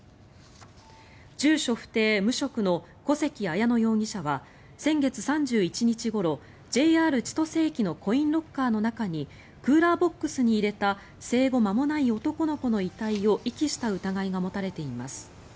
住所不定・無職の小関彩乃容疑者は先月３１日ごろ、ＪＲ千歳駅のコインロッカーの中にクーラーボックスに入れた生後間もない男の子の遺体を遺棄した疑いが持たれています。